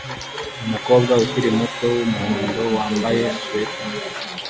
Umukobwa ukiri muto wumuhondo wambaye swater